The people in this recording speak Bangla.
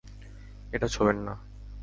এটা ছোঁবেন না!